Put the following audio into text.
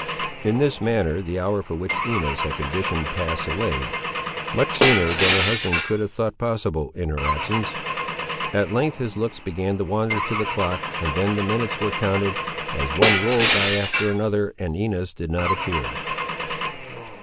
In this manner the hour for which Inez had conditioned passed away, much sooner than her husband could have thought possible, in her absence. At length his looks began to wander to the clock, and then the minutes were counted, as one rolled by after another and Inez did not appear.